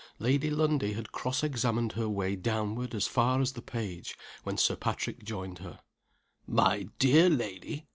Lady Lundie had cross examined her way downward as far as the page, when Sir Patrick joined her. "My dear lady!